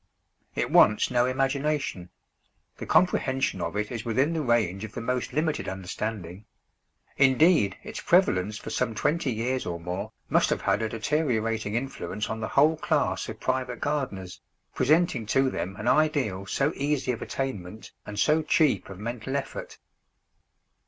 It wants no imagination; the comprehension of it is within the range of the most limited understanding; indeed its prevalence for some twenty years or more must have had a deteriorating influence on the whole class of private gardeners, presenting to them an ideal so easy of attainment and so cheap of mental effort.